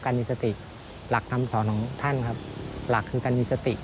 มีสติหลักคำสอนของท่านครับหลักคือการมีสติ